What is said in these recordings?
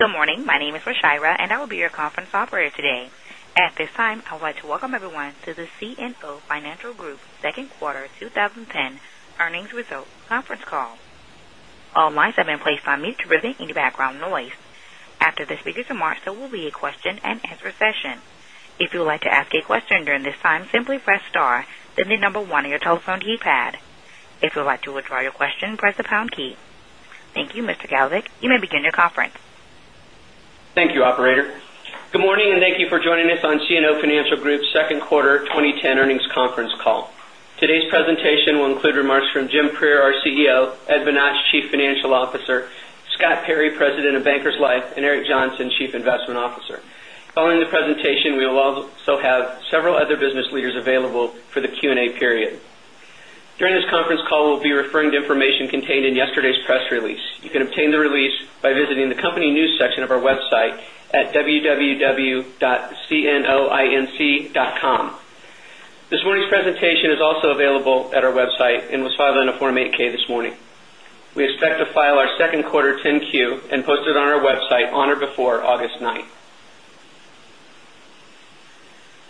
Good morning. My name is Rashira, and I will be your conference operator today. At this time, I would like to welcome everyone to the CNO Financial Group second quarter 2010 earnings results conference call. All lines have been placed on mute to prevent any background noise. After the speakers' remarks, there will be a question-and-answer session. If you would like to ask a question during this time, simply press star then the number 1 on your telephone keypad. If you would like to withdraw your question, press the pound key. Thank you, Mr. Galovic. You may begin your conference. Thank you, operator. Good morning, and thank you for joining us on CNO Financial Group's second quarter 2010 earnings conference call. Today's presentation will include remarks from Jim Prieur, our CEO; Ed Bonach, Chief Financial Officer; Scott Perry, President of Bankers Life; and Eric Johnson, Chief Investment Officer. Following the presentation, we will also have several other business leaders available for the Q&A period. During this conference call, we'll be referring to information contained in yesterday's press release. You can obtain the release by visiting the company news section of our website at www.cnoinc.com. This morning's presentation is also available at our website and was filed in a Form 8-K this morning. We expect to file our second quarter 10-Q and post it on our website on or before August 9th.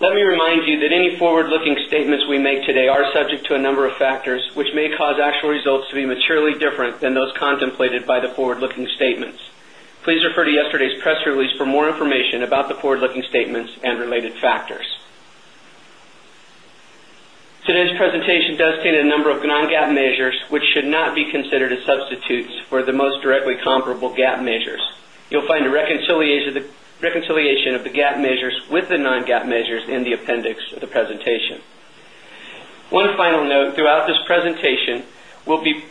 Let me remind you that any forward-looking statements we make today are subject to a number of factors which may cause actual results to be materially different than those contemplated by the forward-looking statements. Please refer to yesterday's press release for more information about the forward-looking statements and related factors. Today's presentation does contain a number of non-GAAP measures, which should not be considered as substitutes for the most directly comparable GAAP measures. You'll find a reconciliation of the GAAP measures with the non-GAAP measures in the appendix of the presentation. One final note, throughout this presentation, we'll be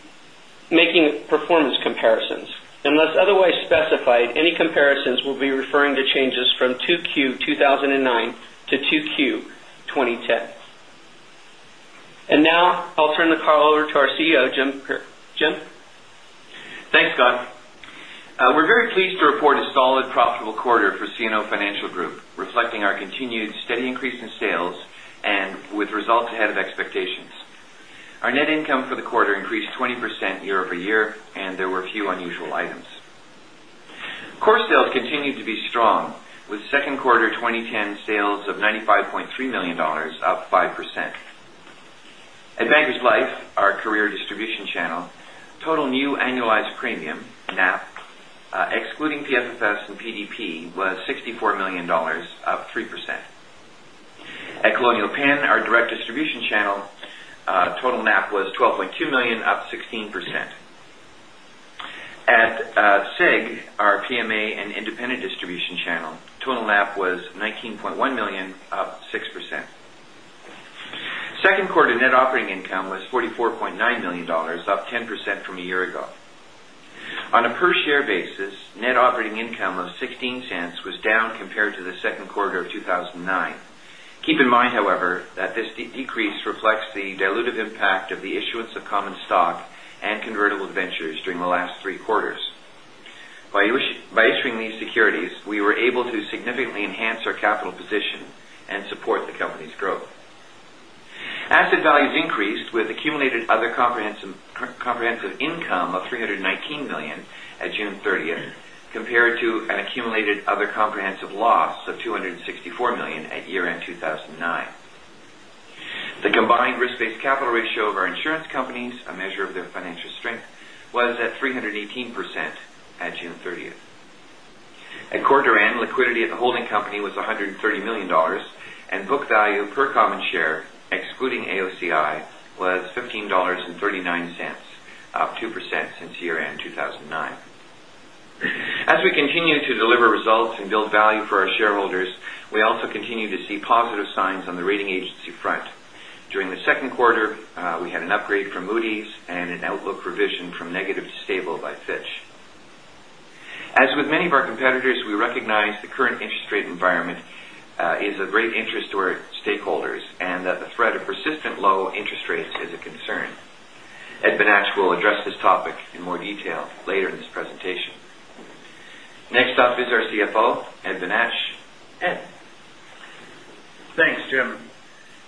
making performance comparisons. Unless otherwise specified, any comparisons will be referring to changes from 2Q 2009 to 2Q 2010. Now, I'll turn the call over to our CEO, Jim Prier. Jim? Thanks, Scott. We're very pleased to report a solid, profitable quarter for CNO Financial Group, reflecting our continued steady increase in sales and with results ahead of expectations. Our net income for the quarter increased 20% year-over-year, and there were a few unusual items. Core sales continued to be strong with second quarter 2010 sales of $95.3 million, up 5%. At Bankers Life, our career distribution channel, total New Annualized Premium, NAP, excluding PFFS and PDP, was $64 million, up 3%. At Colonial Penn, our direct distribution channel, total NAP was $12.2 million, up 16%. At SIG, our PMA and independent distribution channel, total NAP was $19.1 million, up 6%. Second quarter net operating income was $44.9 million, up 10% from a year ago. On a per share basis, net operating income of $0.16 was down compared to the second quarter of 2009. Keep in mind, however, that this decrease reflects the dilutive impact of the issuance of common stock and convertible debentures during the last three quarters. By issuing these securities, we were able to significantly enhance our capital position and support the company's growth. Asset values increased with accumulated other comprehensive income of $319 million at June 30th, compared to an accumulated other comprehensive loss of $264 million at year-end 2009. The combined risk-based capital ratio of our insurance companies, a measure of their financial strength, was at 318% at June 30th. At quarter end, liquidity at the holding company was $130 million, and book value per common share, excluding AOCI, was $15.39, up 2% since year-end 2009. As we continue to deliver results and build value for our shareholders, we also continue to see positive signs on the rating agency front. During the second quarter, we had an upgrade from Moody's and an outlook revision from negative to stable by Fitch. As with many of our competitors, we recognize the current interest rate environment, is of great interest to our stakeholders and that the threat of persistent low interest rates is a concern. Ed Bonach will address this topic in more detail later in this presentation. Next up is our CFO, Ed Bonach. Ed? Thanks, Jim.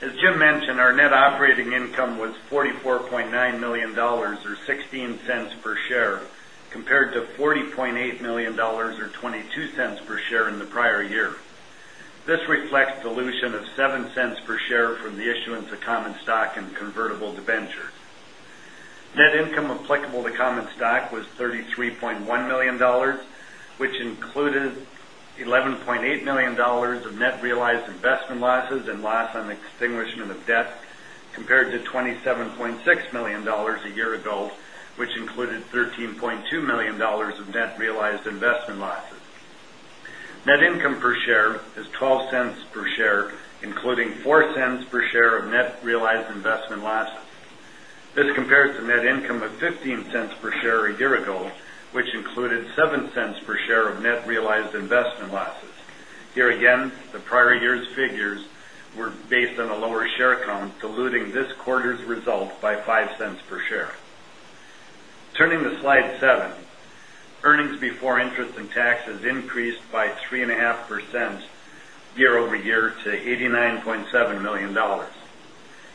As Jim mentioned, our net operating income was $44.9 million, or $0.16 per share, compared to $40.8 million, or $0.22 per share in the prior year. This reflects dilution of $0.07 per share from the issuance of common stock and convertible debentures. Net income applicable to common stock was $33.1 million, which included $11.8 million of net realized investment losses and loss on extinguishment of debt, compared to $27.6 million a year ago, which included $13.2 million of net realized investment losses. Net income per share is $0.12 per share, including $0.04 per share of net realized investment losses. This compares to net income of $0.15 per share a year ago, which included $0.07 per share of net realized investment losses. Here again, the prior year's figures were based on a lower share count, diluting this quarter's results by $0.05 per share. Turning to slide seven, earnings before interest and taxes increased by 3.5% year-over-year to $89.7 million.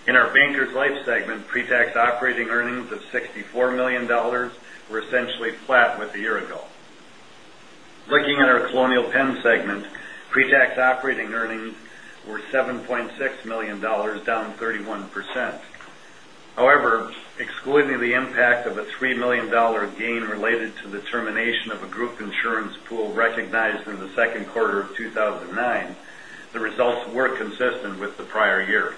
In our Bankers Life segment, pre-tax operating earnings of $64 million were essentially flat with a year ago. Looking at our Colonial Penn segment, pre-tax operating earnings were $7.6 million, down 31%. However, excluding the impact of a $3 million gain related to the termination of a group insurance pool recognized during the second quarter of 2009, the results were consistent with the prior year.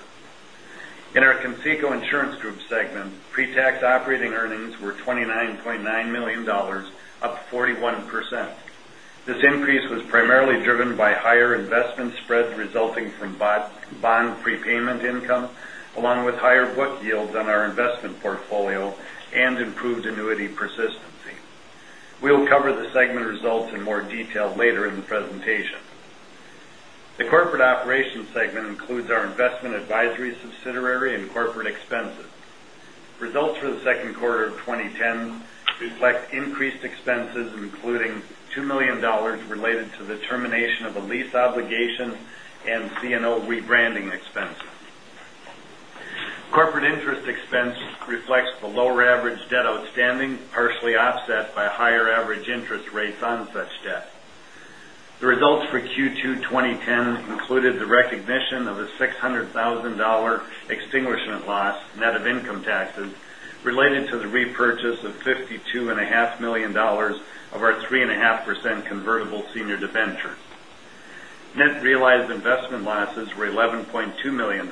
In our Conseco Insurance Group segment, pre-tax operating earnings were $29.9 million, up 41%. This increase was primarily driven by higher investment spread resulting from bond prepayment income, along with higher book yields on our investment portfolio and improved annuity persistency. We will cover the segment results in more detail later in the presentation. The corporate operations segment includes our investment advisory subsidiary and corporate expenses. Results for the second quarter of 2010 reflect increased expenses, including $2 million related to the termination of a lease obligation and CNO rebranding expenses. Corporate interest expense reflects the lower average debt outstanding, partially offset by higher average interest rates on such debt. The results for Q2 2010 included the recognition of a $600,000 extinguishment loss, net of income taxes, related to the repurchase of $52.5 million of our 3.5% convertible senior debenture. Net realized investment losses were $11.2 million,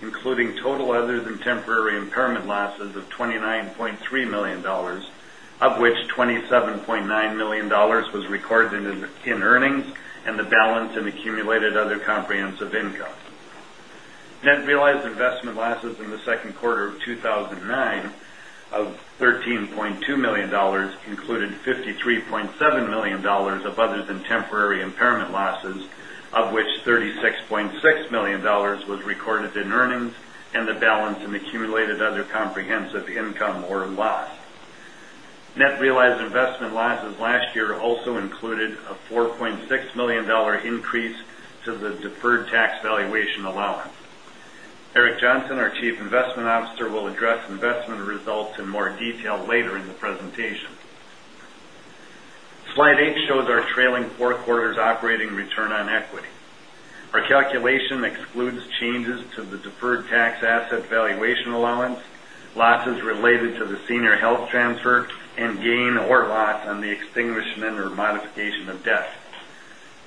including total other than temporary impairment losses of $29.3 million, of which $27.9 million was recorded in earnings and the balance in Accumulated Other Comprehensive Income. Net realized investment losses in the second quarter of 2009 of $13.2 million included $53.7 million of other than temporary impairment losses, of which $36.6 million was recorded in earnings and the balance in Accumulated Other Comprehensive Income or Loss. Net realized investment losses last year also included a $4.6 million increase to the deferred tax valuation allowance. Eric Johnson, our Chief Investment Officer, will address investment results in more detail later in the presentation. Slide eight shows our trailing four quarters operating return on equity. Our calculation excludes changes to the deferred tax asset valuation allowance, losses related to the senior health transfer, and gain or loss on the extinguishment or modification of debt.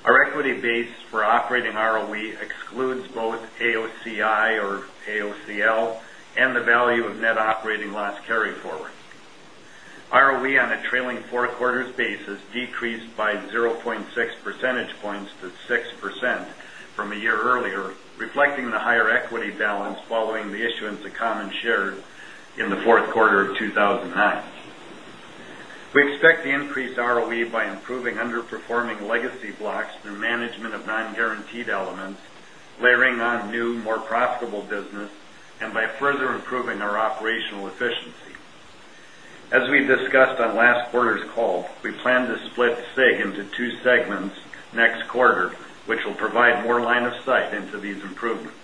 Our equity base for operating ROE excludes both AOCI or AOCL and the value of net operating loss carry-forward. ROE on a trailing four quarters basis decreased by 0.6 percentage points to 6% from a year earlier, reflecting the higher equity balance following the issuance of common shares in the fourth quarter of 2009. We expect to increase ROE by improving underperforming legacy blocks through management of non-guaranteed elements, layering on new, more profitable business, and by further improving our operational efficiency. As we discussed on last quarter's call, we plan to split SIG into two segments next quarter, which will provide more line of sight into these improvements.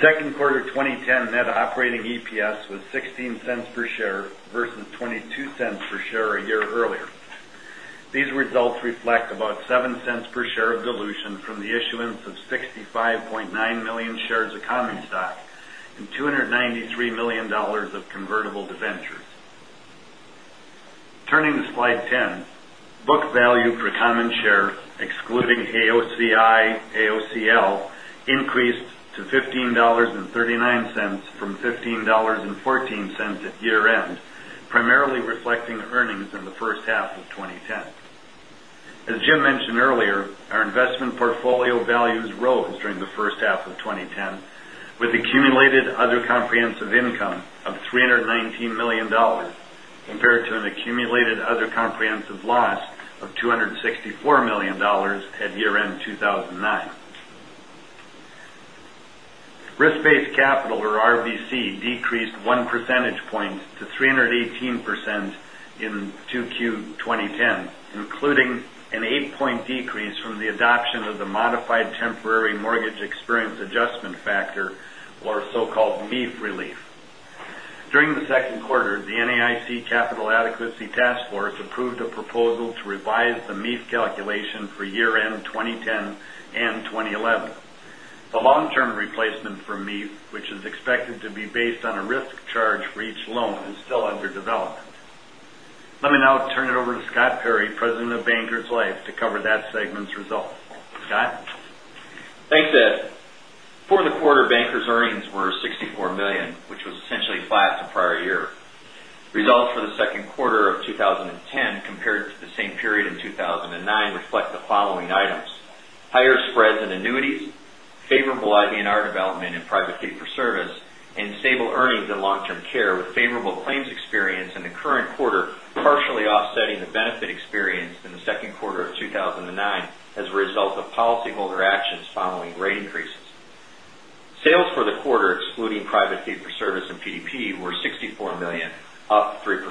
Second quarter 2010 net operating EPS was $0.16 per share versus $0.22 per share a year earlier. These results reflect about $0.07 per share of dilution from the issuance of 65.9 million shares of common stock and $293 million of convertible debentures. Turning to Slide 10, book value per common share, excluding AOCI, AOCL, increased to $15.39 from $15.14 at year-end, primarily reflecting earnings in the first half of 2010. As Jim mentioned earlier, our investment portfolio values rose during the first half of 2010, with Accumulated Other Comprehensive Income of $319 million, compared to an Accumulated Other Comprehensive Loss of $264 million at year-end 2009. Risk-based capital, or RBC, decreased one percentage point to 318% in 2Q 2010, including an eight-point decrease from the adoption of the modified temporary mortgage experience adjustment factor, or so-called MEEF relief. During the second quarter, the NAIC Capital Adequacy Task Force approved a proposal to revise the MEEF calculation for year-end 2010 and 2011. The long-term replacement for MEEF, which is expected to be based on a risk charge for each loan, is still under development. Let me now turn it over to Scott Perry, President of Bankers Life, to cover that segment's results. Scott? Thanks, Ed. For the quarter, Bankers' earnings were $64 million, which was essentially flat to prior year. Results for the second quarter of 2010 compared to the same period in 2009 reflect the following items: higher spreads in annuities, favorable IBNR development in private fee for service, and stable earnings in long-term care with favorable claims experience in the current quarter, partially offsetting the benefit experience in the second quarter of 2009 as a result of policyholder actions following rate increases. Sales for the quarter, excluding private fee for service and PDP, were $64 million, up 3%.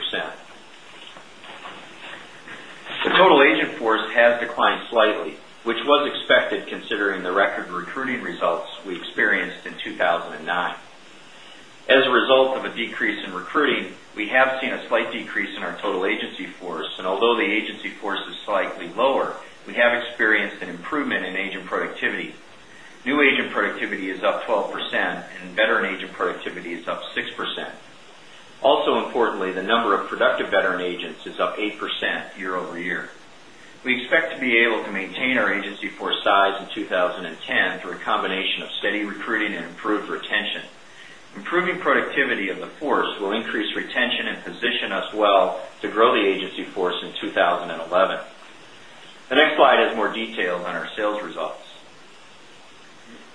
The total agent force has declined slightly, which was expected considering the record recruiting results we experienced in 2009. As a result of a decrease in recruiting, we have seen a slight decrease in our total agency force, although the agency force is slightly lower, we have experienced an improvement in agent productivity. New agent productivity is up 12%, and veteran agent productivity is up 6%. Also importantly, the number of productive veteran agents is up 8% year-over-year. We expect to be able to maintain our agency force size in 2010 through a combination of steady recruiting and improved retention. Improving productivity of the force will increase retention and position us well to grow the agency force in 2011. The next slide has more details on our sales results.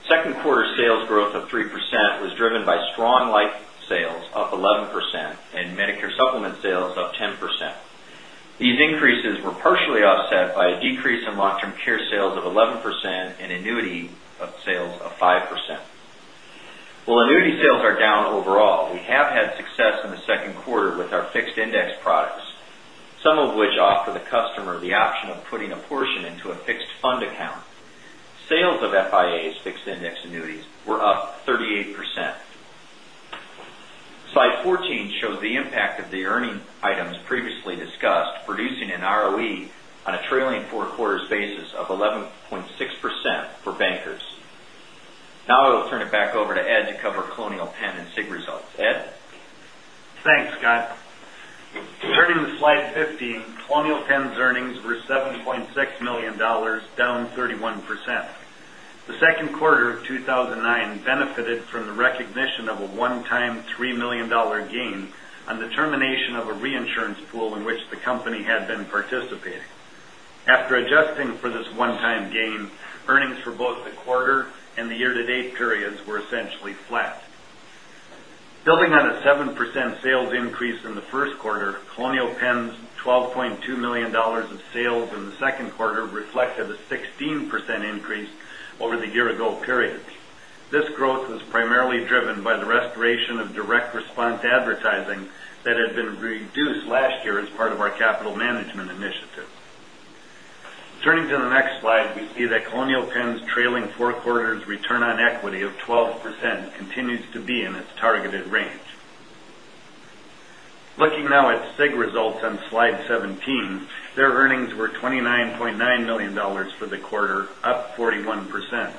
Second quarter sales growth of 3% was driven by strong life sales up 11%, and Medicare supplement sales up 10%. These increases were partially offset by a decrease in long-term care sales of 11% and annuity of sales of 5%. While annuity sales are down overall, we have had success in the second quarter with our fixed index products, some of which offer the customer the option of putting a portion into a fixed fund account. Sales of FIAs, fixed index annuities, were up 38%. Slide 14 shows the impact of the earning items previously discussed, producing an ROE on a trailing four quarters basis of 11.6% for Bankers. I will turn it back over to Ed to cover Colonial Penn and SIG results. Ed? Thanks, Scott. Turning to slide 15, Colonial Penn's earnings were $7.6 million, down 31%. The second quarter of 2009 benefited from the recognition of a one-time $3 million gain on the termination of a reinsurance pool in which the company had been participating. After adjusting for this one-time gain, earnings for both the quarter and the year-to-date periods were essentially flat. Building on a 7% sales increase in the first quarter, Colonial Penn's $12.2 million of sales in the second quarter reflected a 16% increase over the year-ago period. This growth was primarily driven by the restoration of direct response advertising that had been reduced last year as part of our capital management initiative. Turning to the next slide, we see that Colonial Penn's trailing four quarters return on equity of 12% continues to be in its targeted range. Looking now at SIG results on slide 17, their earnings were $29.9 million for the quarter, up 41%.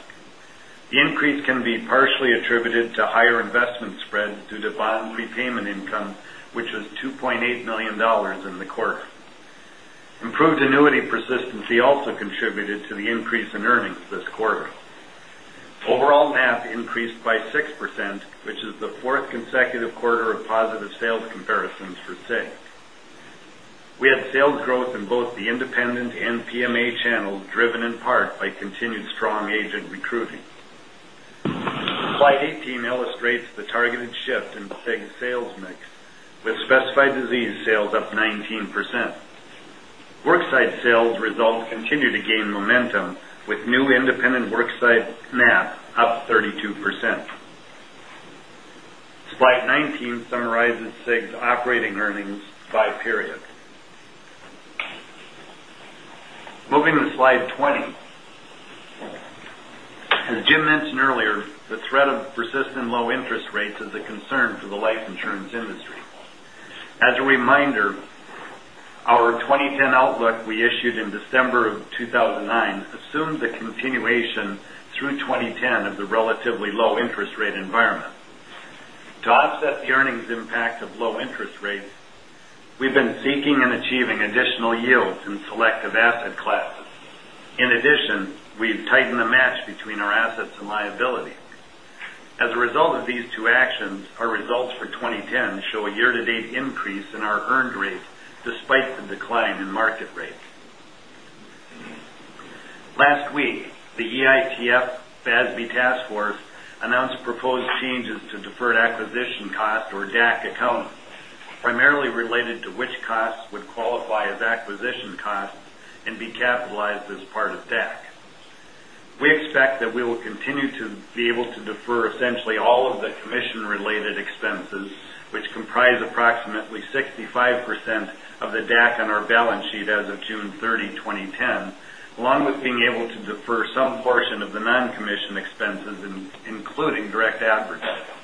The increase can be partially attributed to higher investment spreads due to bond prepayment income, which was $2.8 million in the quarter. Improved annuity persistency also contributed to the increase in earnings this quarter. Overall, NAP increased by 6%, which is the fourth consecutive quarter of positive sales comparisons for SIG. We had sales growth in both the independent and PMA channels, driven in part by continued strong agent recruiting. Slide 18 illustrates the targeted shift in SIG's sales mix with specified disease sales up 19%. Worksite sales results continue to gain momentum with new independent worksite NAP up 32%. Slide 19 summarizes SIG's operating earnings by period. Moving to slide 20. As Jim mentioned earlier, the threat of persistent low interest rates is a concern for the life insurance industry. As a reminder, our 2010 outlook we issued in December of 2009 assumed the continuation through 2010 of the relatively low interest rate environment. To offset the earnings impact of low interest rates, we've been seeking and achieving additional yields in selective asset classes. In addition, we've tightened the match between our assets and liability. As a result of these two actions, our results for 2010 show a year-to-date increase in our earned rates despite the decline in market rates. Last week, the EITF FASB task force announced proposed changes to deferred acquisition cost, or DAC account, primarily related to which costs would qualify as acquisition costs and be capitalized as part of DAC. We expect that we will continue to be able to defer essentially all of the commission-related expenses, which comprise approximately 65% of the DAC on our balance sheet as of June 30, 2010, along with being able to defer some portion of the non-commission expenses, including direct advertising.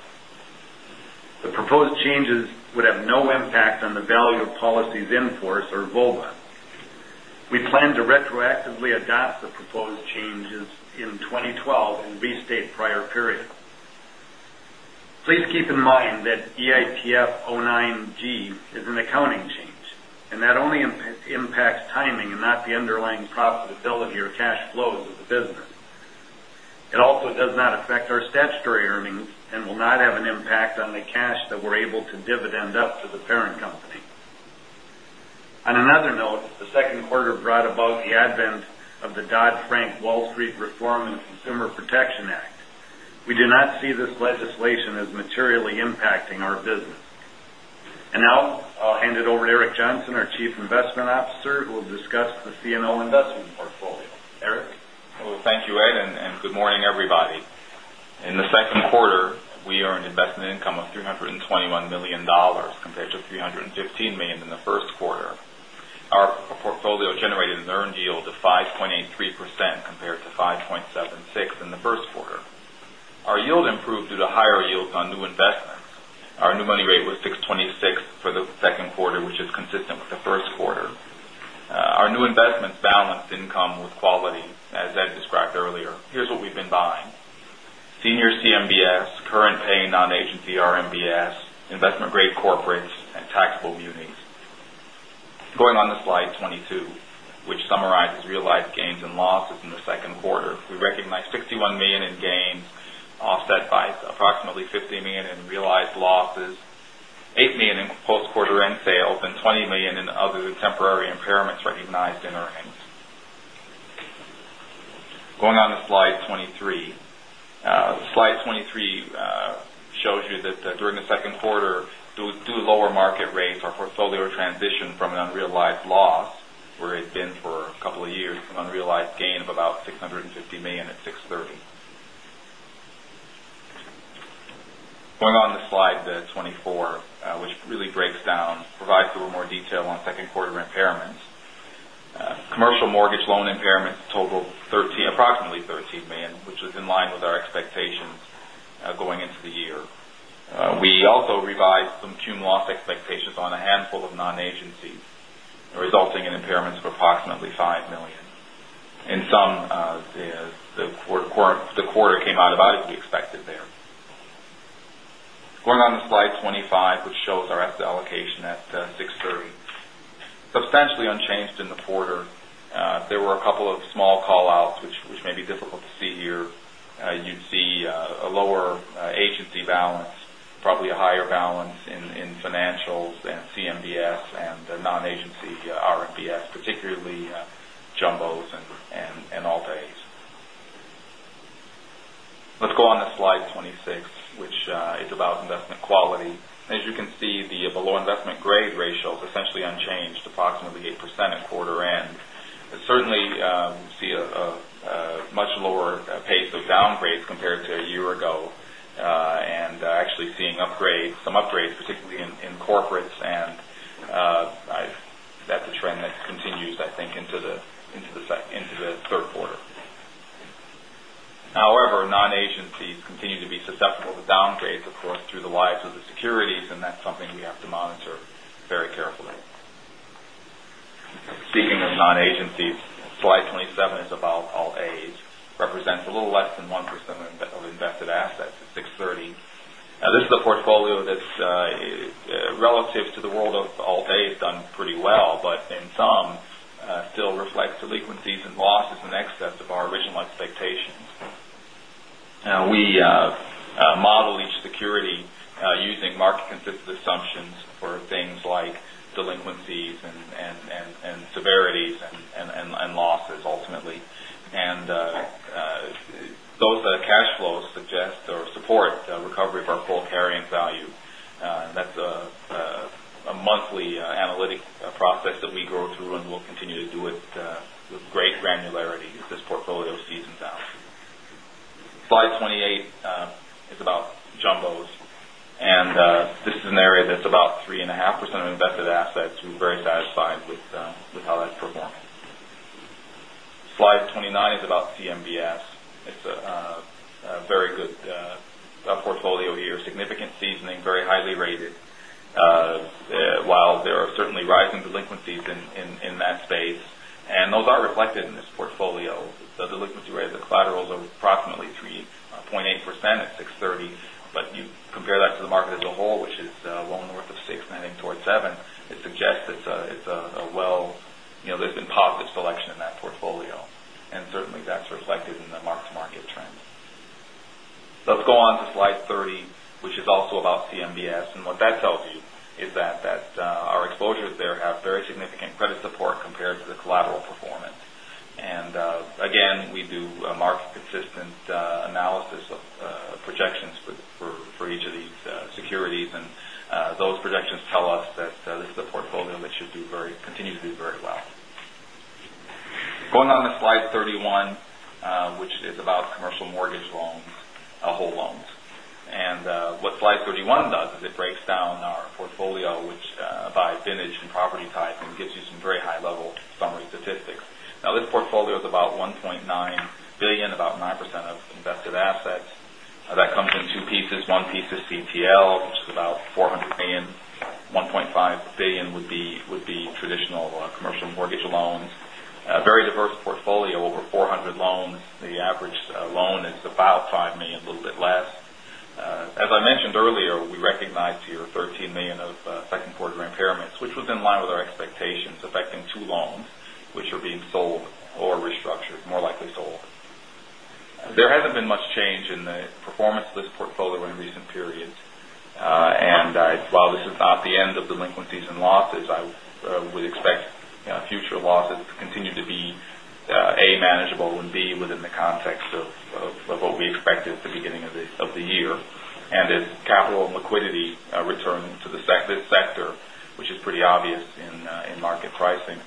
The proposed changes would have no impact on the value of policies in force or VOBA. We plan to retroactively adopt the proposed changes in 2012 and restate prior periods. Please keep in mind that EITF 09-G is an accounting change, and that only impacts timing and not the underlying profitability or cash flows of the business. It also does not affect our statutory earnings and will not have an impact on the cash that we're able to dividend up to the parent company. On another note, the second quarter brought about the advent of the Dodd-Frank Wall Street Reform and Consumer Protection Act. We do not see this legislation as materially impacting our business. Now I'll hand it over to Eric Johnson, our Chief Investment Officer, who will discuss the CNO investment portfolio. Eric? Well, thank you, Ed, and good morning, everybody. In the second quarter, we earned investment income of $321 million compared to $315 million in the first quarter. Our portfolio generated an earned yield of 5.83% compared to 5.76% in the first quarter. Our yield improved due to higher yields on new investments. Our new money rate was 626 for the second quarter, which is consistent with the first quarter. Our new investments balanced income with quality, as Ed described earlier. Here's what we've been buying: Senior CMBS, current paying non-agency RMBS, investment-grade corporates, and taxable munis. Going on to slide 22, which summarizes realized gains and losses in the second quarter. We recognized $61 million in gains, offset by approximately $50 million in realized losses, $8 million in post-quarter end sales, and $20 million in other temporary impairments recognized in earnings. Going on to slide 23. Slide 23 shows you that during the second quarter, due to lower market rates, our portfolio transitioned from an unrealized loss, where it'd been for a couple of years, to an unrealized gain of about $650 million at 6/30. Going on to slide 24, which really breaks down, provides a little more detail on second quarter impairments. Commercial mortgage loan impairments totaled approximately $13 million, which was in line with our expectations going into the year. We also revised some loan loss expectations on a handful of non-agencies, resulting in impairments of approximately $5 million. In sum, the quarter came out about as we expected there. Going on to slide 25, which shows our asset allocation at 6/30. Substantially unchanged in the quarter. There were a couple of small call-outs, which may be difficult to see here. You'd see a lower agency balance, probably a higher balance in financials than CMBS and non-agency RMBS, particularly jumbos and Alt-A. Let's go on to slide 26, which is about investment quality. As you can see, the below investment grade ratio is essentially unchanged, approximately 8% at quarter end. Certainly, see a much lower pace of downgrades compared to a year ago. Actually seeing some upgrades, particularly in corporates, and that's a trend that continues, I think, into the third quarter. However, non-agencies continue to be susceptible to downgrades, of course, through the lives of the securities, and that's something we have to monitor very carefully. Speaking of non-agencies, slide 27 is about Alt-A. Represents a little less than 1% of invested assets at 6/30. This is a portfolio that's, relative to the world of Alt-A, done pretty well, but in some, still reflects delinquencies and losses in excess of our original expectations. We model each security using market-consistent assumptions for things like delinquencies and severities and losses ultimately. Those cash flows suggest or support recovery of our pool carrying value. That's a monthly analytic process that we go through and we'll continue to do it with great granularity as this portfolio seasons out. Slide 28 is about jumbos. This is an area that's about 3.5% of invested assets. We're very satisfied with how that's performed. Slide 29 is about CMBS. It's a very good portfolio here. Significant seasoning, very highly rated. While there are certainly rising delinquencies in that space, and those are reflected in this portfolio. The delinquency rate of the collaterals are approximately 3.8% at 6/30. You compare that to the market as a whole, which is loan worth of 6, maybe towards 7. It suggests there's been positive selection in that portfolio. Certainly, that's reflected in the mark-to-market trends. Let's go on to slide 30, which is also about CMBS. What that tells you is that our exposures there have very significant credit support compared to the collateral performance. Again, we do a mark-consistent analysis of projections for each of these securities. Those projections tell us that this is a portfolio which should continue to do very well. Going on to slide 31, which is about commercial mortgage loans, whole loans. What slide 31 does is it breaks down our portfolio, which by vintage and property type, and gives you some very high-level summary statistics. Now, this portfolio is about $1.9 billion, about 9% of invested assets. That comes in two pieces. One piece is CTL, which is about $400 million. $1.5 billion would be traditional commercial mortgage loans. Very diverse portfolio, over 400 loans. The average loan is about $5 million, a little bit less. As I mentioned earlier, we recognized here $13 million of second quarter impairments, which was in line with our expectations, affecting two loans, which are being sold or restructured, more likely sold. There hasn't been much change in the performance of this portfolio in recent periods. While this is not the end of delinquencies and losses, I would expect future losses to continue to be, A, manageable, and B, within the context of what we expected at the beginning of the year. As capital and liquidity return to the sector, which is pretty obvious in market pricing.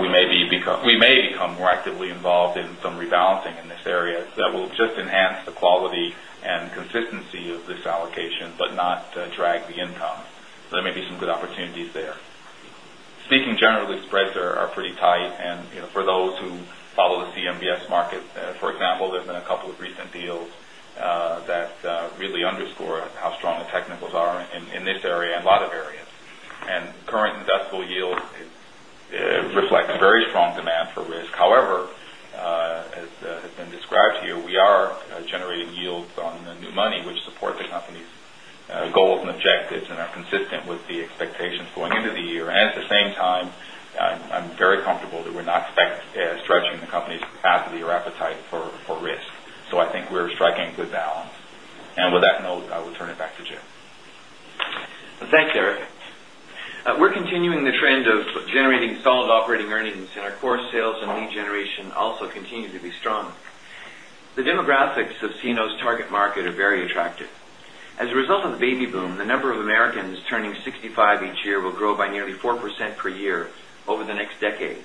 We may become more actively involved in some rebalancing in this area that will just enhance the quality and consistency of this allocation, but not drag the income. There may be some good opportunities there. Speaking generally, spreads are pretty tight and for those who follow the CMBS market, for example, there's been a couple of recent deals that really underscore how strong the technicals are in this area and a lot of areas. Current industrial yield reflects very strong demand for risk. However, as has been described to you, we are generating yields on the new money which support the company's goals and objectives and are consistent with the expectations going into the year. At the same time, I'm very comfortable that we're not stretching the company's capacity or appetite for risk. I think we're striking a good balance. With that note, I will turn it back to Jim. Thanks, Eric. We're continuing the trend of generating solid operating earnings in our core sales and lead generation also continue to be strong. The demographics of CNO's target market are very attractive. As a result of the baby boom, the number of Americans turning 65 each year will grow by nearly 4% per year over the next decade.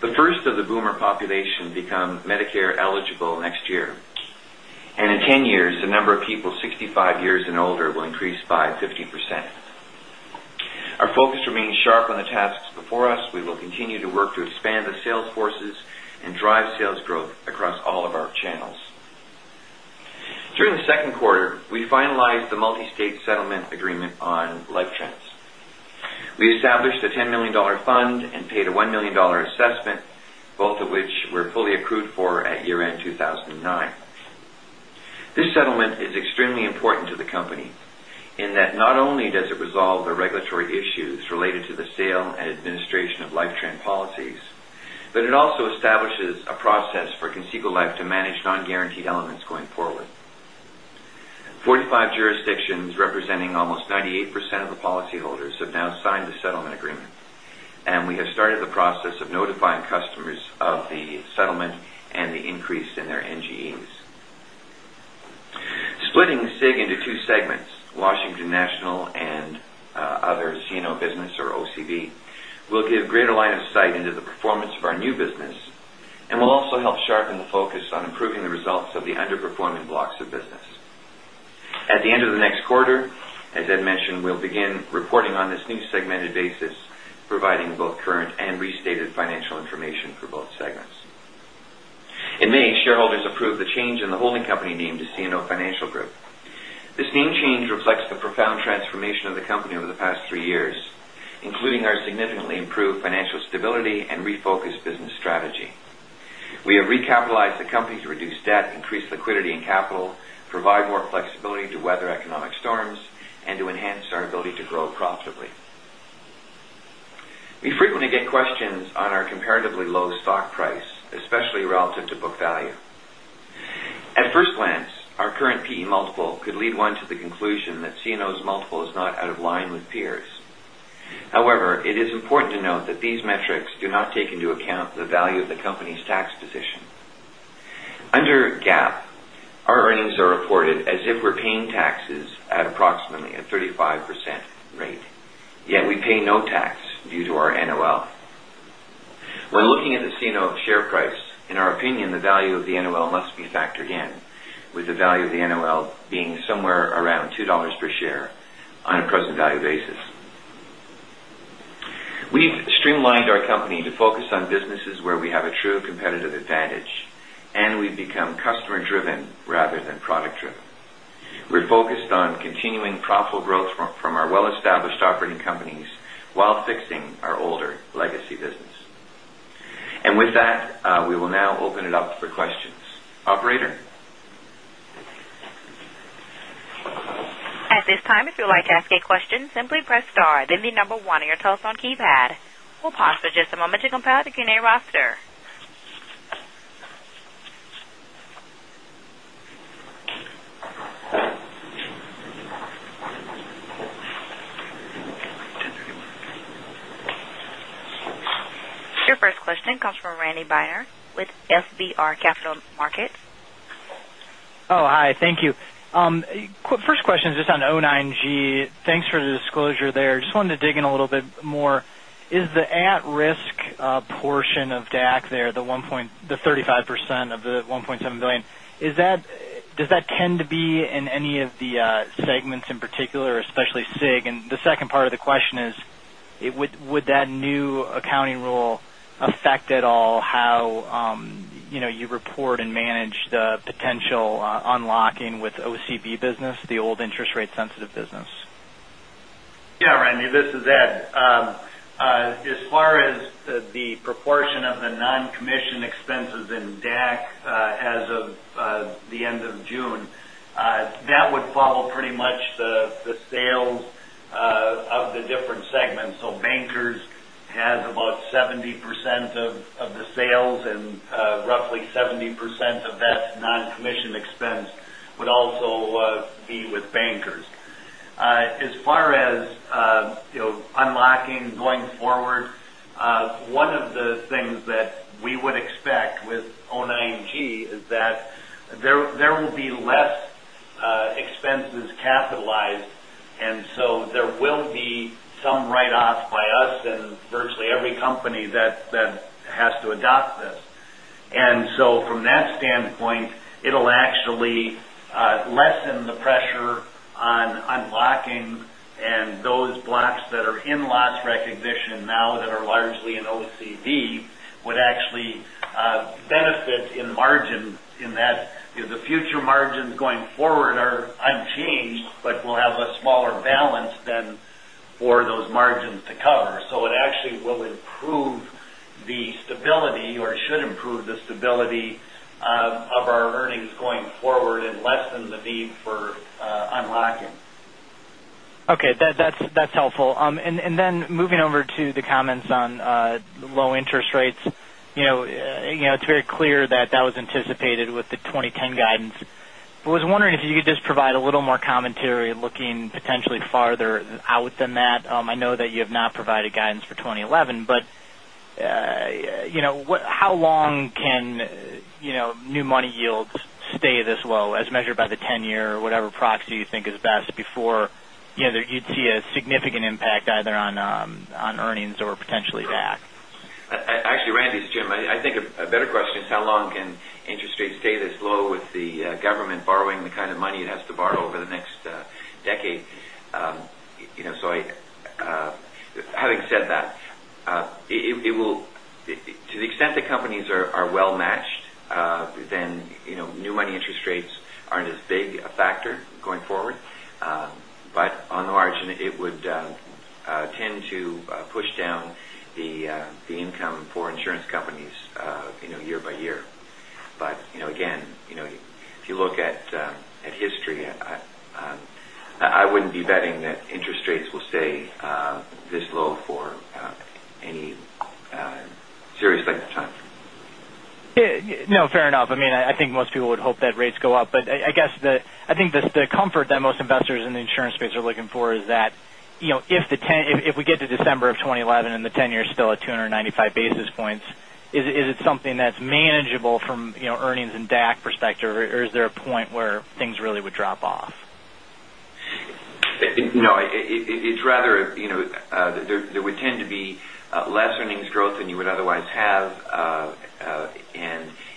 The first of the boomer population become Medicare eligible next year. In 10 years, the number of people 65 years and older will increase by 50%. Our focus remains sharp on the tasks before us. We will continue to work to expand the sales forces and drive sales growth across all of our channels. During the second quarter, we finalized the multi-state settlement agreement on LifeTrends. We established a $10 million fund and paid a $1 million assessment, both of which were fully accrued for at year-end 2009. This settlement is extremely important to the company in that not only does it resolve the regulatory issues related to the sale and administration of LifeTrends policies, but it also establishes a process for Conseco Life to manage non-guaranteed elements going forward. 45 jurisdictions representing almost 98% of the policyholders have now signed the settlement agreement. We have started the process of notifying customers of the settlement and the increase in their NGEs. Splitting SIG into two segments, Washington National and Other CNO Business or OCB, will give greater line of sight into the performance of our new business and will also help sharpen the focus on improving the results of the underperforming blocks of business. At the end of the next quarter, as Ed mentioned, we'll begin reporting on this new segmented basis, providing both current and restated financial information for both segments. In May, shareholders approved the change in the holding company name to CNO Financial Group. This name change reflects the profound transformation of the company over the past three years, including our significantly improved financial stability and refocused business strategy. We have recapitalized the company to reduce debt, increase liquidity and capital, provide more flexibility to weather economic storms, and to enhance our ability to grow profitably. We frequently get questions on our comparatively low stock price, especially relative to book value. At first glance, our current P/E multiple could lead one to the conclusion that CNO's multiple is not out of line with peers. It is important to note that these metrics do not take into account the value of the company's tax position. Under GAAP, our earnings are reported as if we're paying taxes at approximately a 35% rate, yet we pay no tax due to our NOL. When looking at the CNO share price, in our opinion, the value of the NOL must be factored in, with the value of the NOL being somewhere around $2 per share on a present value basis. We've streamlined our company to focus on businesses where we have a true competitive advantage, and we've become customer-driven rather than product-driven. We're focused on continuing profitable growth from our well-established operating companies while fixing our older legacy business. With that, we will now open it up for questions. Operator? At this time, if you'd like to ask a question, simply press star, then the number one on your telephone keypad. We'll pause for just a moment to compile the Q&A roster. Your first question comes from Randy Binner with FBR Capital Markets. Hi. Thank you. First question is just on 09-G. Thanks for the disclosure there. Just wanted to dig in a little bit more. Is the at-risk portion of DAC there, the 35% of the $1.7 billion, does that tend to be in any of the segments in particular, especially SIG? The second part of the question is, would that new accounting rule affect at all how you report and manage the potential unlocking with OCB business, the old interest rate sensitive business? Randy, this is Ed. As far as the proportion of the non-commission expenses in DAC as of the end of June, that would follow pretty much the sales of the different segments. Bankers has about 70% of the sales and roughly 70% of that non-commission expense would also be with Bankers. As far as unlocking going forward, one of the things that we would expect with EITF 09-G is that there will be less expense is capitalized. There will be some write-offs by us and virtually every company that has to adopt this. From that standpoint, it'll actually lessen the pressure on unlocking, and those blocks that are in loss recognition now that are largely in OCB would actually benefit in margin in that the future margins going forward are unchanged, but we'll have a smaller balance then for those margins to cover. It actually will improve the stability, or it should improve the stability of our earnings going forward and lessen the need for unlocking. Okay. That's helpful. Moving over to the comments on low interest rates. It's very clear that was anticipated with the 2010 guidance. I was wondering if you could just provide a little more commentary looking potentially farther out than that. I know that you have not provided guidance for 2011. How long can new money yields stay this low as measured by the 10-year or whatever proxy you think is best before you'd see a significant impact either on earnings or potentially DAC? Randy, it's Jim. I think a better question is how long can interest rates stay this low with the government borrowing the kind of money it has to borrow over the next decade? Having said that, to the extent that companies are well matched, then new money interest rates aren't as big a factor going forward. On the margin, it would tend to push down the income for insurance companies year by year. Again, if you look at history, I wouldn't be betting that interest rates will stay this low for any serious length of time. No, fair enough. I think most people would hope that rates go up. I think the comfort that most investors in the insurance space are looking for is that if we get to December of 2011 and the 10-year is still at 295 basis points, is it something that's manageable from earnings and DAC perspective, or is there a point where things really would drop off? No. There would tend to be less earnings growth than you would otherwise have.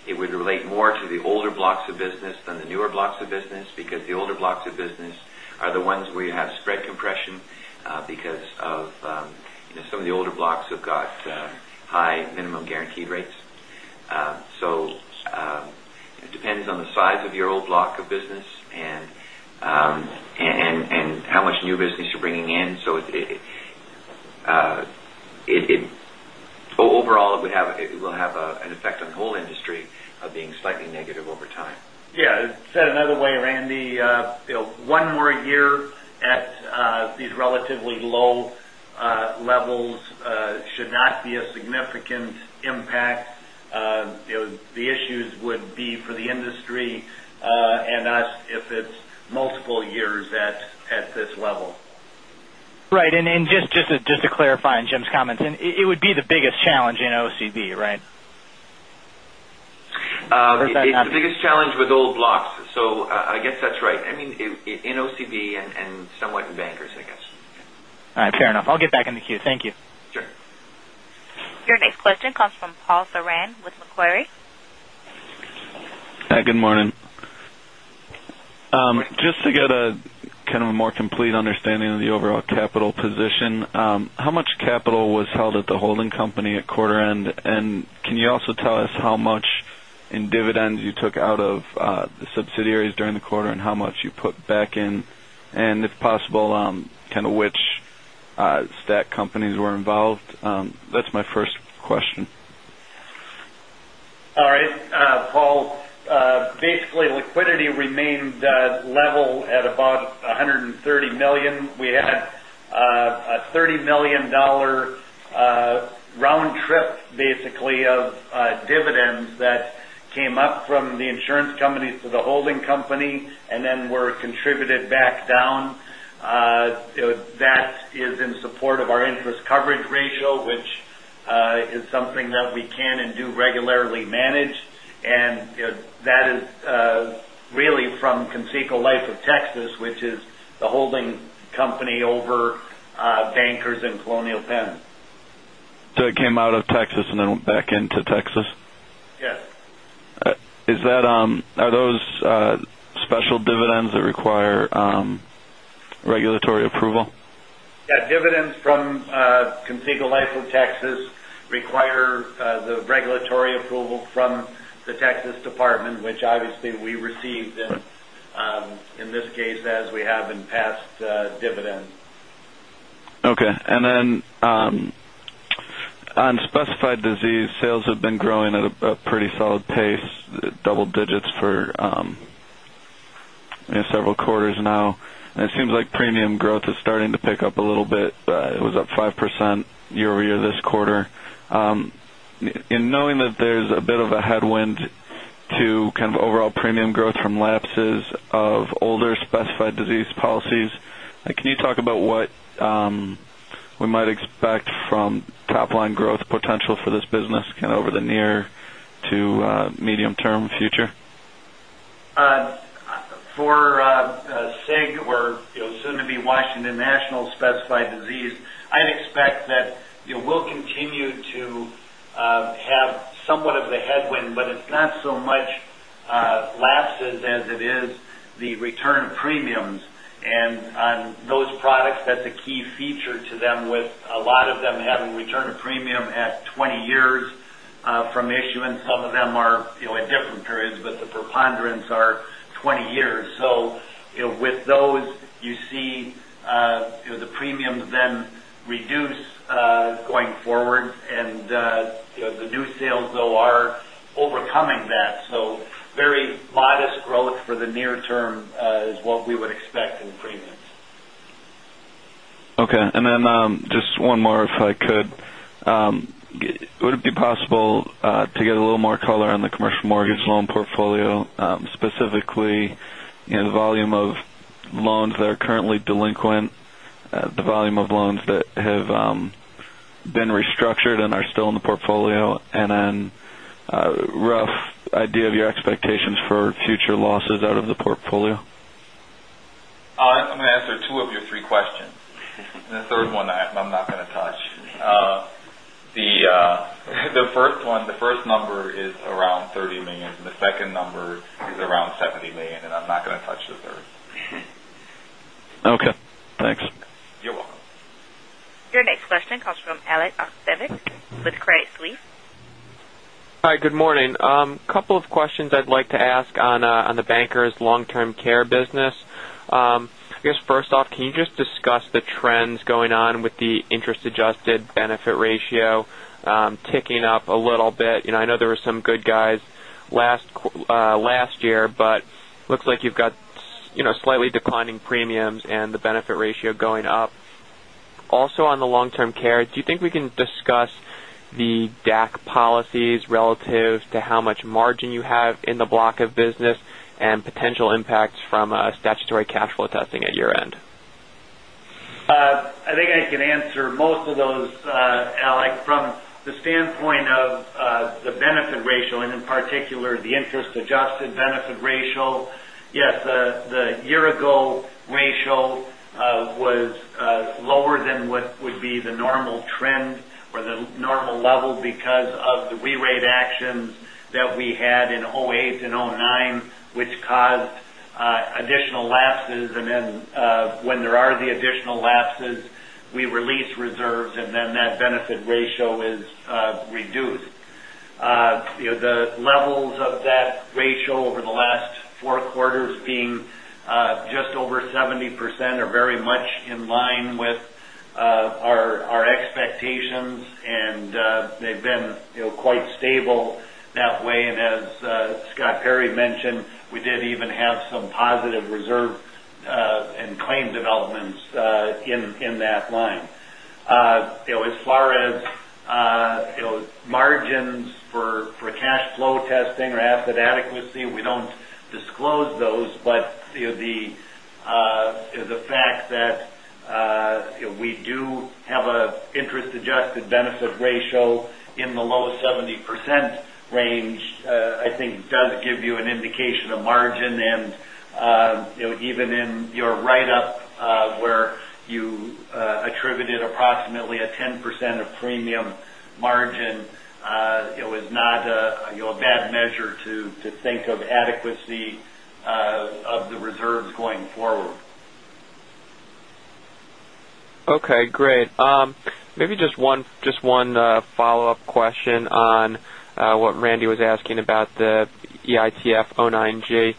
It would relate more to the older blocks of business than the newer blocks of business because the older blocks of business are the ones where you have spread compression because some of the older blocks have got high minimum guaranteed rates. It depends on the size of your old block of business and how much new business you're bringing in. Overall, it will have an effect on the whole industry of being slightly negative over time. Yeah. Said another way, Randy, one more year at these relatively low levels should not be a significant impact. The issues would be for the industry and us if it's multiple years at this level. Right. Just to clarify on Jim's comments, it would be the biggest challenge in OCB, right? It's the biggest challenge with old blocks. I guess that's right. In OCB and somewhat in Bankers, I guess. All right, fair enough. I'll get back in the queue. Thank you. Sure. Your next question comes from Paul Soran with Macquarie. Hi, good morning. Just to get a kind of a more complete understanding of the overall capital position. How much capital was held at the holding company at quarter end? Can you also tell us how much in dividends you took out of the subsidiaries during the quarter and how much you put back in? If possible, kind of which stack companies were involved? That's my first question. Paul. Basically, liquidity remained level at about $130 million. We had a $30 million round trip basically of dividends that came up from the insurance companies to the holding company and then were contributed back down. That is in support of our interest coverage ratio, which is something that we can and do regularly manage. That is really from Conseco Life of Texas, which is the holding company over Bankers and Colonial Penn. It came out of Texas and then went back into Texas? Yes. Are those special dividends that require regulatory approval? Yeah. Dividends from Conseco Life of Texas require the regulatory approval from the Texas department, which obviously we received in this case as we have in past dividends. Okay. On specified disease, sales have been growing at a pretty solid pace, double digits for several quarters now. It seems like premium growth is starting to pick up a little bit. It was up 5% year-over-year this quarter. In knowing that there's a bit of a headwind to kind of overall premium growth from lapses of older specified disease policies, can you talk about what we might expect from top-line growth potential for this business kind of over the near to medium-term future? For SIG or soon to be Washington National specified disease, I'd expect that we'll continue to have somewhat of a headwind, but it's not so much lapses as it is the return of premiums. On those products, that's a key feature to them, with a lot of them having return of premium at 20 years from issuance. Some of them are at different periods, but the preponderance are 20 years. With those, you see the premiums then reduce going forward, and the new sales, though, are overcoming that. Very modest growth for the near term is what we would expect in the premiums. Okay, just one more, if I could. Would it be possible to get a little more color on the commercial mortgage loan portfolio, specifically the volume of loans that are currently delinquent, the volume of loans that have been restructured and are still in the portfolio, and then a rough idea of your expectations for future losses out of the portfolio? I'm going to answer two of your three questions. The third one, I'm not going to touch. The first one, the first number is around $30 million. The second number is around $70 million, and I'm not going to touch the third. Okay, thanks. You're welcome. Your next question comes from Alex Ochewicz with Credit Suisse. Hi, good morning. Couple of questions I'd like to ask on the Bankers Long-Term Care business. I guess, first off, can you just discuss the trends going on with the interest adjusted benefit ratio ticking up a little bit? I know there were some good guys last year, but looks like you've got slightly declining premiums and the benefit ratio going up. On the long-term care, do you think we can discuss the DAC policies relative to how much margin you have in the block of business and potential impacts from statutory cash flow testing at year-end? I think I can answer most of those, Alex. From the standpoint of the benefit ratio and, in particular, the interest adjusted benefit ratio, yes, the year-ago ratio was lower than what would be the normal trend or the normal level because of the rerate actions that we had in 2008 and 2009, which caused additional lapses. When there are the additional lapses, we release reserves, and that benefit ratio is reduced. The levels of that ratio over the last four quarters being just over 70% are very much in line with our expectations, and they've been quite stable that way. As Scott Perry mentioned, we did even have some positive reserve and claim developments in that line. As far as margins for cash flow testing or asset adequacy, we don't disclose those. The fact that we do have an interest-adjusted benefit ratio in the low 70% range, I think does give you an indication of margin. Even in your write-up, where you attributed approximately a 10% of premium margin, is not a bad measure to think of adequacy of the reserves going forward. Okay, great. Maybe just one follow-up question on what Randy Binner was asking about the EITF 09-G.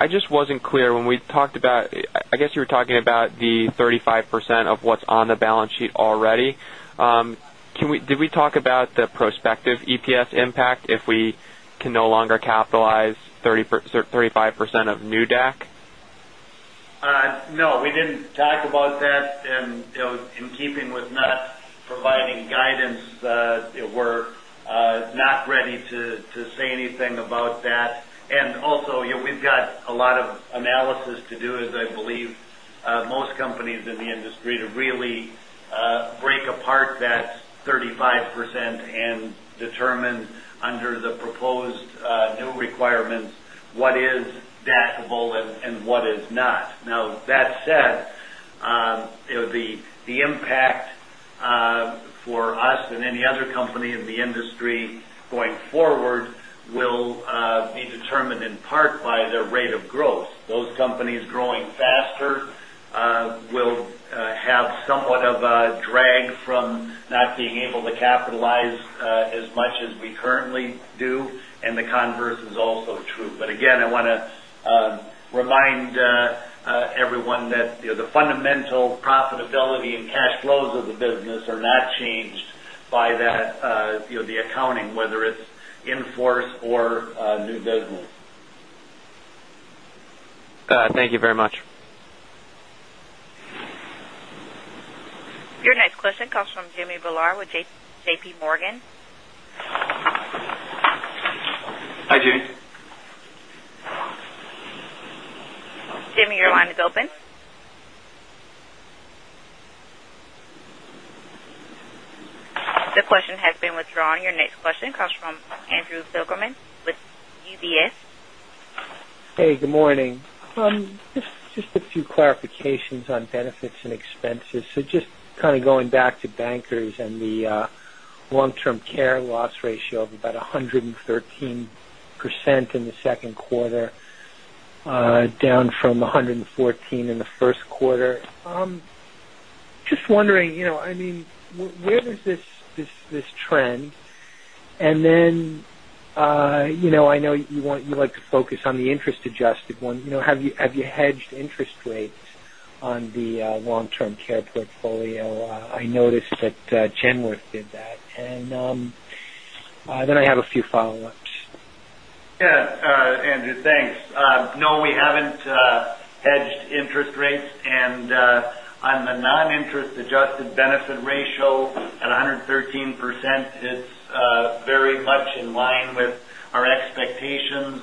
I just wasn't clear when we talked about, I guess you were talking about the 35% of what's on the balance sheet already. Did we talk about the prospective EPS impact if we can no longer capitalize 35% of new DAC? No, we didn't talk about that. In keeping with not providing guidance, we're not ready to say anything about that. Also, we've got a lot of analysis to do, as I believe most companies in the industry, to really break apart that 35% and determine under the proposed new requirements what is DAC-able and what is not. That said, the impact for us and any other company in the industry going forward will be determined in part by their rate of growth. Those companies growing faster will have somewhat of a drag from not being able to capitalize as much as we currently do. The converse is also true. Again, I want to remind everyone that the fundamental profitability and cash flows of the business are not changed by the accounting, whether it's in force or new business. Thank you very much. Your next question comes from Jimmy Bhullar with J.P. Morgan. Hi, Jimmy. Jimmy, your line is open. The question has been withdrawn. Your next question comes from Andrew Silverman with UBS. Hey, good morning. Just a few clarifications on benefits and expenses. Just kind of going back to Bankers and the long-term care loss ratio of about 113% in the second quarter, down from 114% in the first quarter. Just wondering, where is this trend? I know you like to focus on the interest-adjusted one. Have you hedged interest rates on the long-term care portfolio? I noticed that Genworth did that. I have a few follow-ups. Yeah, Andrew, thanks. No, we haven't hedged interest rates. On the non-interest adjusted benefit ratio at 113%, it's very much in line with our expectations.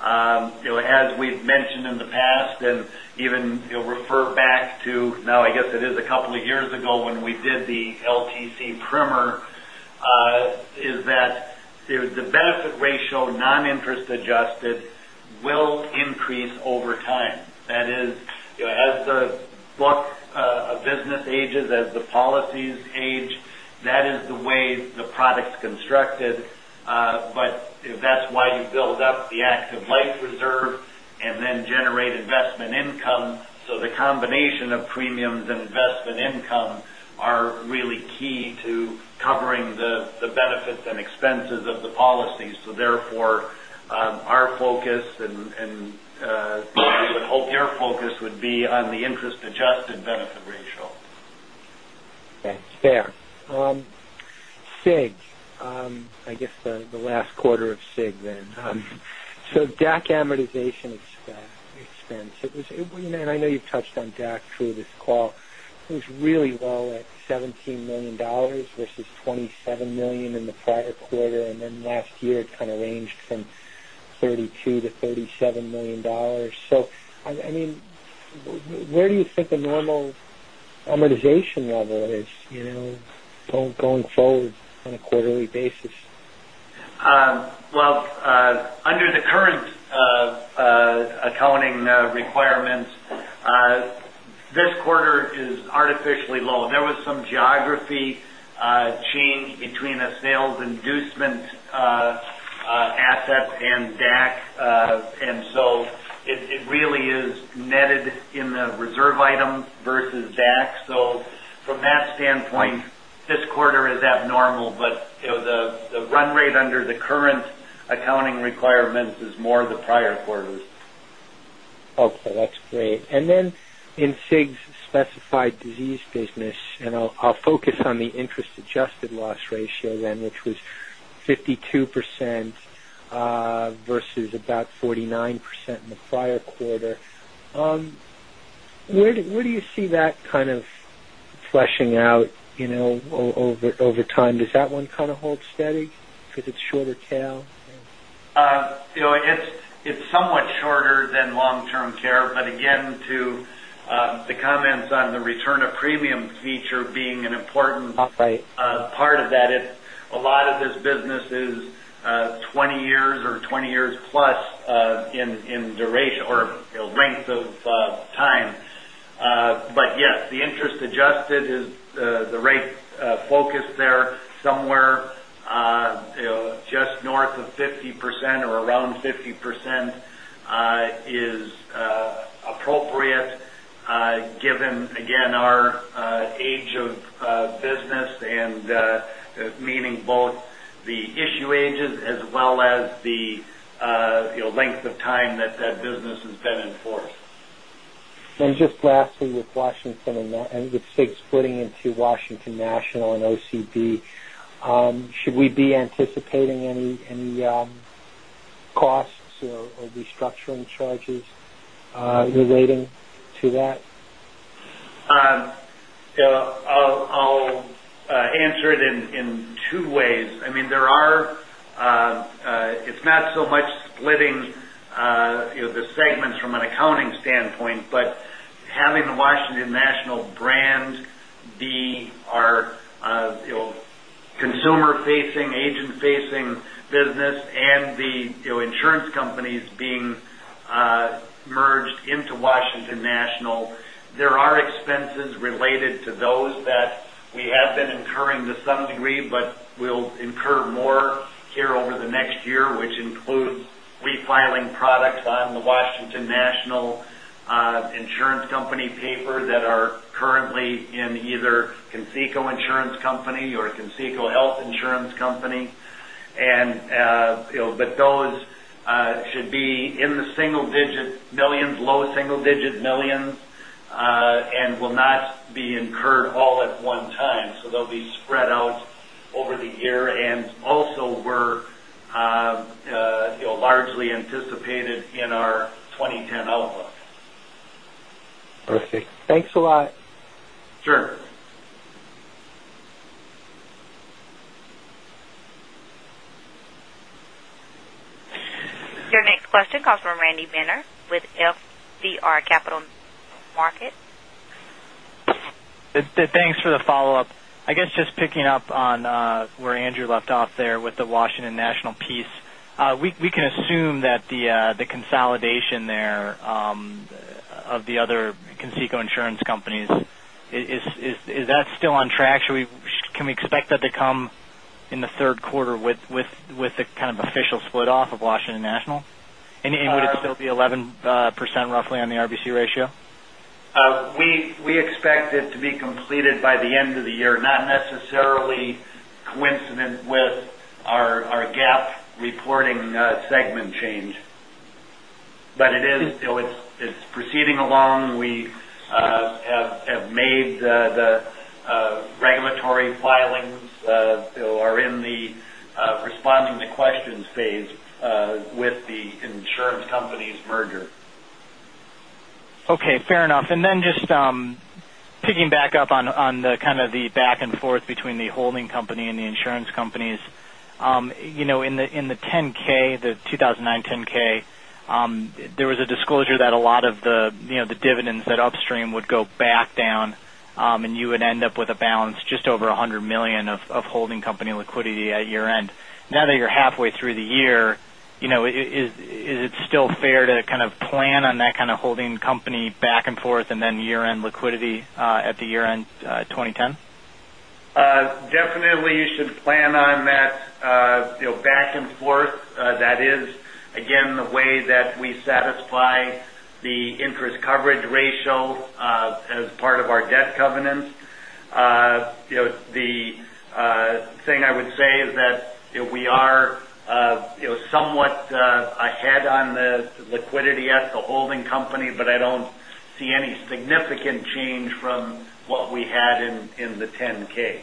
As we've mentioned in the past, and even refer back to now, I guess it is a couple of years ago when we did the LTC primer, is that the benefit ratio, non-interest adjusted, will increase over time. That is, as the book of business ages, as the policies age, that is the way the product's constructed. That's why you build up the active life reserve and then generate investment income. The combination of premiums and investment income are really key to covering the benefits and expenses of the policy. Therefore, our focus and we would hope your focus would be on the interest-adjusted benefit ratio. Okay. Fair. SIG. I guess the last quarter of SIG then. DAC amortization expense. I know you've touched on DAC through this call. It was really low at $17 million versus $27 million in the prior quarter, last year it kind of ranged from $32 million-$37 million. Where do you think a normal amortization level is going forward on a quarterly basis? Well, under the current accounting requirements, this quarter is artificially low. There was some geography change between a sales inducement asset and DAC. It really is netted in the reserve item versus DAC. From that standpoint, this quarter is abnormal, but the run rate under the current accounting requirements is more the prior quarters. Okay, that's great. In CIG's specified disease business, I'll focus on the interest-adjusted loss ratio, which was 52% versus about 49% in the prior quarter. Where do you see that kind of fleshing out over time? Does that one kind of hold steady because it's shorter tail? It's somewhat shorter than long-term care. Again, to the comments on the return of premium feature being an important Right part of that, a lot of this business is 20 years or 20 years plus in duration or length of time. Yes, the interest adjusted is the rate focus there somewhere just north of 50% or around 50% is appropriate given, again, our age of business and meaning both the issue ages as well as the length of time that business has been in force. Just lastly, with SIG splitting into Washington National and OCB, should we be anticipating any costs or restructuring charges relating to that? I'll answer it in two ways. It's not so much splitting the segments from an accounting standpoint, but having the Washington National brand be our consumer-facing, agent-facing business, and the insurance companies being merged into Washington National. There are expenses related to those that we have been incurring to some degree, but we'll incur more here over the next year, which includes refiling products on the Washington National Insurance Company paper that are currently in either Conseco Insurance Company or Conseco Health Insurance Company. Those should be in the single-digit millions, low single-digit millions, and will not be incurred all at one time. They'll be spread out over the year. Also were largely anticipated in our 2010 outlook. Perfect. Thanks a lot. Sure. Your next question comes from Randy Binner with FBR Capital Markets. Thanks for the follow-up. I guess just picking up on where Andrew left off there with the Washington National piece. We can assume that the consolidation there of the other Conseco insurance companies, is that still on track? Can we expect that to come in the third quarter with the kind of official split off of Washington National? Would it still be 11% roughly on the RBC ratio? We expect it to be completed by the end of the year, not necessarily coincident with our GAAP reporting segment change. It is still proceeding along. We have made the regulatory filings, are in the responding to questions phase with the insurance companies merger. Okay, fair enough. Just picking back up on the back and forth between the holding company and the insurance companies. In the 2009 10-K, there was a disclosure that a lot of the dividends at upstream would go back down, and you would end up with a balance just over $100 million of holding company liquidity at year-end. Now that you're halfway through the year, is it still fair to plan on that kind of holding company back and forth and then year-end liquidity at the year-end 2010? Definitely you should plan on that back and forth. That is, again, the way that we satisfy the interest coverage ratio as part of our debt covenants. The thing I would say is that we are somewhat ahead on the liquidity at the holding company, but I don't see any significant change from what we had in the 10-K.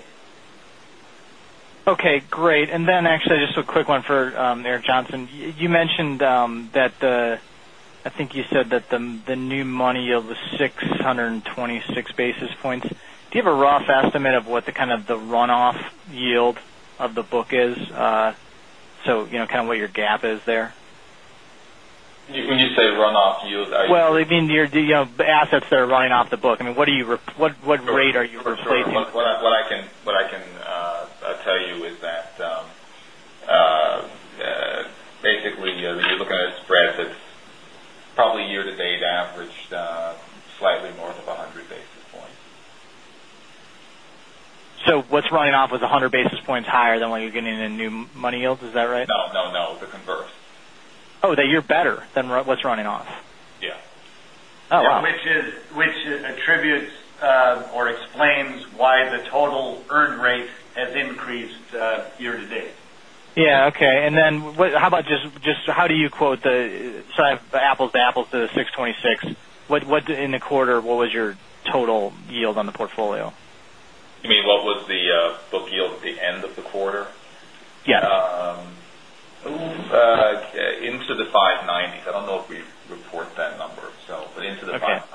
Okay, great. Actually, just a quick one for Eric Johnson. You mentioned that the, I think you said that the new money yield was 626 basis points. Do you have a rough estimate of what the runoff yield of the book is? Kind of what your gap is there? When you say runoff yield, are you- Well, I mean, the assets that are running off the book. What rate are you replacing? What I can tell you is that, basically, when you're looking at spreads, it's probably year to date averaged slightly north of 100 basis points. What's running off is 100 basis points higher than what you're getting in new money yields. Is that right? No, the converse. Oh, that you're better than what's running off. Yeah. Oh, wow. Which attributes or explains why the total earned rate has increased year to date. Yeah. Okay. How do you quote, I have the apples to apples to the 626. In the quarter, what was your total yield on the portfolio? You mean what was the book yield at the end of the quarter? Yeah. Into the 590s. I don't know if we report that number, so. Into the 590s. Okay.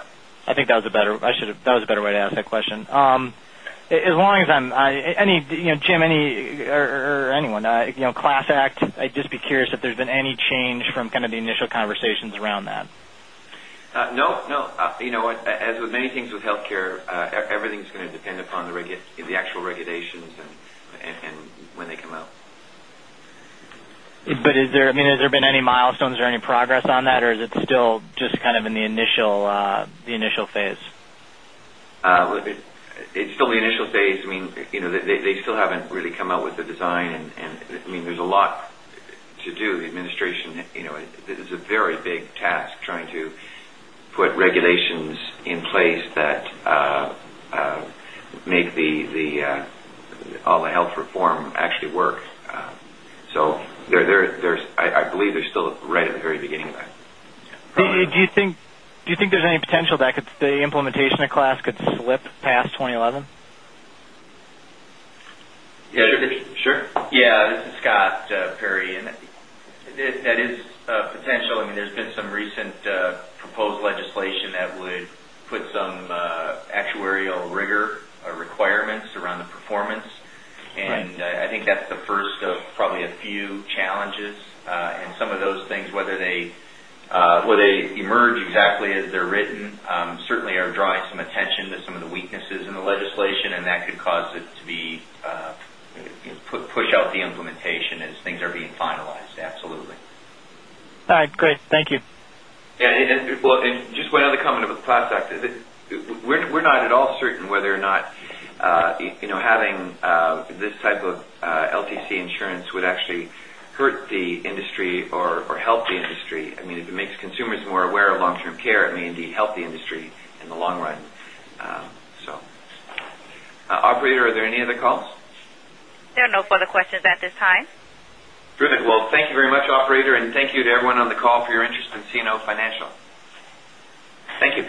I think that was a better way to ask that question. As long as, I'm, Jim, or anyone. CLASS Act, I'd just be curious if there's been any change from kind of the initial conversations around that. No. You know what? As with many things with healthcare, everything's going to depend upon the actual regulations and when they come out. Has there been any milestones or any progress on that, or is it still just kind of in the initial phase? It's still in the initial phase. They still haven't really come out with the design, and there's a lot to do. The administration. This is a very big task, trying to put regulations in place that make all the health reform actually work. I believe they're still right at the very beginning of that. Do you think there's any potential that the implementation of CLASS could slip past 2011? Sure. This is Scott Perry, that is a potential. There's been some recent proposed legislation that would put some actuarial rigor requirements around the performance. Right. I think that's the first of probably a few challenges. Some of those things, whether they emerge exactly as they're written, certainly are drawing some attention to some of the weaknesses in the legislation, and that could cause it to push out the implementation as things are being finalized. Absolutely. All right, great. Thank you. Just one other comment about the CLASS Act. We're not at all certain whether or not having this type of LTC insurance would actually hurt the industry or help the industry. If it makes consumers more aware of long-term care, it may indeed help the industry in the long run. Operator, are there any other calls? There are no further questions at this time. Brilliant. Well, thank you very much, operator, and thank you to everyone on the call for your interest in CNO Financial. Thank you.